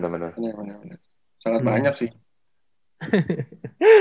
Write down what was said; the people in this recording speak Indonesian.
bener bener sangat banyak sih